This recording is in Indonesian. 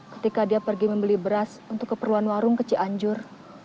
ketika dia pergi membeli beras untuk keperluan warung ke cianjur